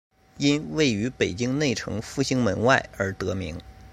因位于北京内城复兴门外而得名。